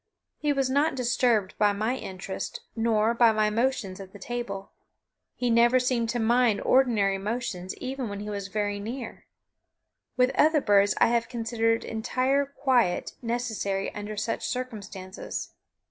He was not disturbed by my interest nor by my motions at the table. He never seemed to mind ordinary motions even when he was very near. With other birds I have considered entire quiet necessary under such circumstances.